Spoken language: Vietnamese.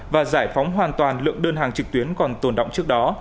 và giải phóng hoàn toàn lượng đơn hàng trực tuyến còn tồn động trước đó